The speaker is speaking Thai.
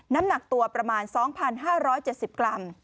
น้ำหนักตัวประมาณ๒๕๗๐กรัม